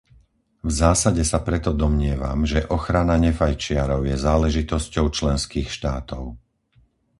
V zásade sa preto domnievam, že ochrana nefajčiarov je záležitosťou členských štátov.